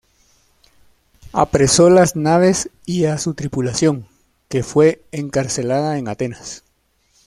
Apresó las naves y a su tripulación, que fue encarcelada en Atenas.